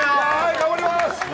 頑張ります！